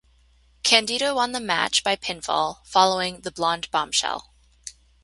Candido won the match by pinfall following the "Blonde Bombshell".